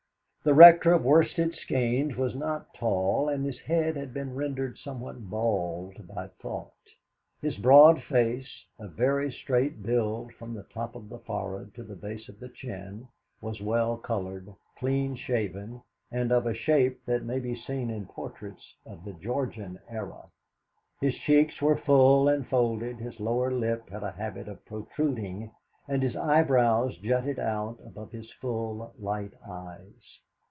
The Rector of Worsted Skeynes was not tall, and his head had been rendered somewhat bald by thought. His broad face, of very straight build from the top of the forehead to the base of the chin, was well coloured, clean shaven, and of a shape that may be seen in portraits of the Georgian era. His cheeks were full and folded, his lower lip had a habit of protruding, and his eyebrows jutted out above his full, light eyes.